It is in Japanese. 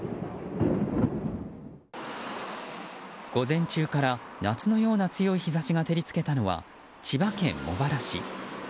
午前中から夏のような強い日差しが照りつけたのは千葉県茂原市。